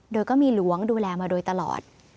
โดยก็มีหลวงดูแลมาโดยตลอด